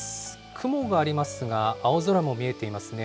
雲がありますが、青空も見えていますね。